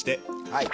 はい。